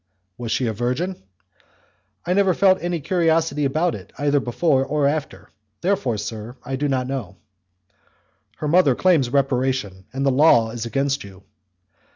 "Was she a virgin?" "I never felt any curiosity about it either before or after; therefore, sir, I do not know." "Her mother claims reparation, and the law is against you."